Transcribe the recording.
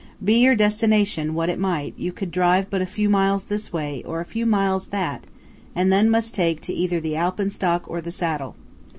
Be your destination what it might, you could drive but a few miles this way, or a few miles that; and then must take to either the Alpenstock or the saddle.